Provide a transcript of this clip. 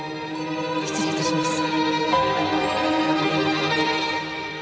失礼致します。